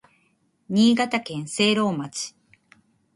新潟県聖籠町